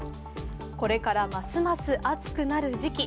これからますます暑くなる時期。